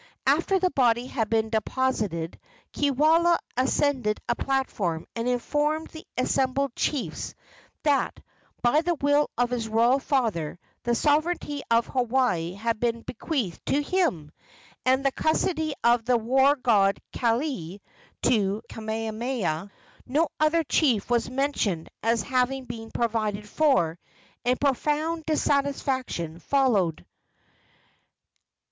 After the body had been deposited Kiwalao ascended a platform and informed the assembled chiefs that, by the will of his royal father, the sovereignty of Hawaii had been bequeathed to him, and the custody of the war god Kaili to Kamehameha. No other chief was mentioned as having been provided for, and profound dissatisfaction followed.